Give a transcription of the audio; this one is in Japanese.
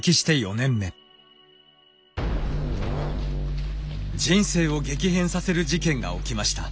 人生を激変させる事件が起きました。